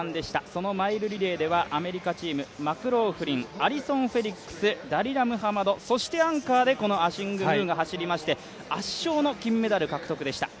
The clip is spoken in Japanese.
そのマイルリレーではアメリカチーム、マクローフリン、アリソン・フェリックス、ダリラ・ムハマド、そしてアンカーでこのアシング・ムーが走りまして圧勝の金メダル獲得でした。